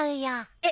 えっ！？